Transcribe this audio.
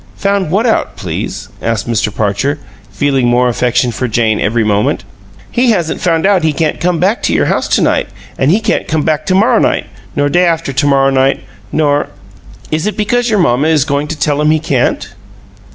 "Found what out, please?" asked Mr. Parcher, feeling more affection for Jane every moment. "He hasn't found out he can't come back to your house to night; an' he can't come back to morrow night, nor day after to morrow night, nor " "Is it because your mamma is going to tell him he can't?"